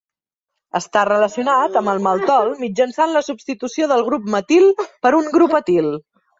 Està relacionat amb el maltol mitjançant la substitució del grup metil per un grup etil.